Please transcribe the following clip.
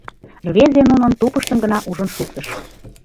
Рвезе нунын тупыштым гына ужын шуктыш.